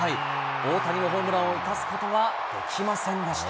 大谷のホームランを生かすことはできませんでした。